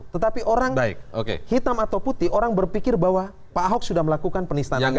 tetapi orang hitam atau putih orang berpikir bahwa pak ahok sudah melakukan penistaan agama